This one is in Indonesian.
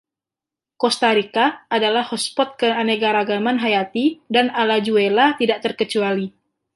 Kosta Rika adalah hotspot keanekaragaman hayati dan Alajuela tidak terkecuali.